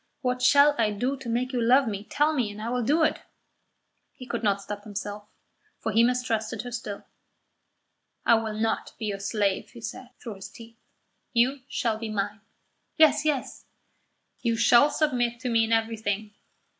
What shall I do to make you love me? Tell me, and I will do it." He could not stop himself, for he mistrusted her still. "I will not be your slave," he said, through his teeth. "You shall be mine." "Yes, yes." "You shall submit to me in everything.